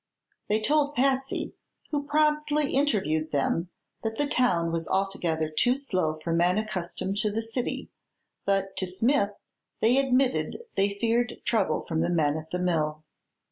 They told Patsy, who promptly interviewed them, that the town was altogether too slow for men accustomed to the city, but to Smith they admitted they feared trouble from the men at the mill.